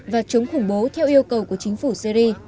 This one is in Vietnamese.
và chống khủng bố theo yêu cầu của chính phủ syri